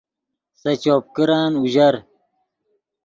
سے چوپ کرن اوژر